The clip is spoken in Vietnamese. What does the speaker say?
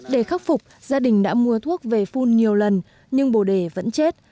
để khắc phục gia đình đã mua thuốc về phun nhiều lần nhưng bồ đề vẫn chết